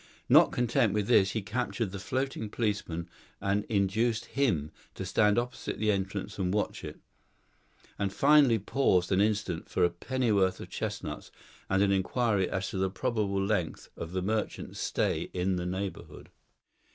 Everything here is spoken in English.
Not content with this, he captured the floating policeman and induced him to stand opposite the entrance and watch it; and finally paused an instant for a pennyworth of chestnuts, and an inquiry as to the probable length of the merchant's stay in the neighbourhood.